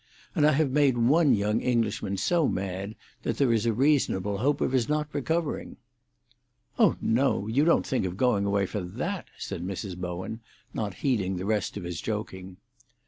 And I have made one young Englishman so mad that there is a reasonable hope of his not recovering." "Oh no; you don't think of going away for that!" said Mrs. Bowen, not heeding the rest of his joking.